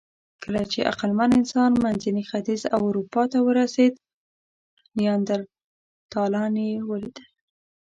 کله چې عقلمن انسان منځني ختیځ او اروپا ته ورسېد، نیاندرتالان یې ولیدل.